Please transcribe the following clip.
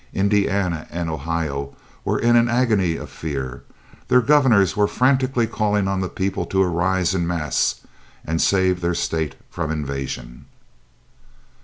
Indiana and Ohio were in an agony of fear. The governors were frantically calling on the people to arise en masse and save their states from invasion.